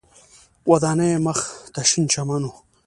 ودانیو مخ ته شین چمن و.